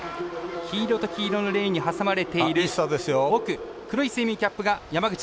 黄色と黄色のレーンに挟まれている、奥黒いスイミングキャップが山口。